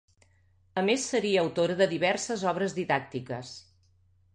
A més seria autora de diverses obres didàctiques.